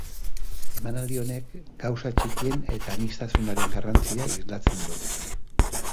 Emanaldi honek, gauza txikien eta aniztasunaren garrantzia islatzen du.